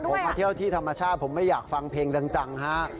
ผมมาเที่ยวที่ธรรมชาติผมไม่อยากฟังเพลงดังฮะ